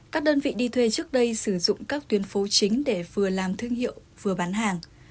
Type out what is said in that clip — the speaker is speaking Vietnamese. các đơn vị đi thuê trước đây sử dụng các tuyến phố chính để vừa làm thương hiệu vừa bán hàng